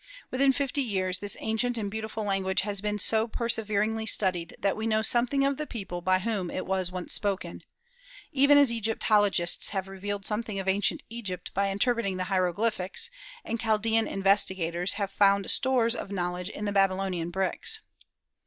Within fifty years this ancient and beautiful language has been so perseveringly studied that we know something of the people by whom it was once spoken, even as Egyptologists have revealed something of ancient Egypt by interpreting the hieroglyphics; and Chaldaean investigators have found stores of knowledge in the Babylonian bricks.